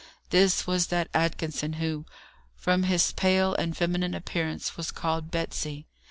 This was that Atkinson who, from his pale and feminine appearance, was called Betsy.